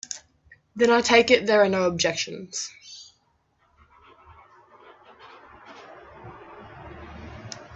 Then I take it there are no objections.